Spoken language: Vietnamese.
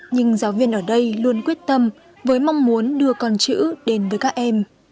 nhưng giáo viên ở đây luôn quyết tâm với mong muốn đưa con chữ đến với các em